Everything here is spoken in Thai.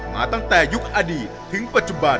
มาตั้งแต่ยุคอดีตถึงปัจจุบัน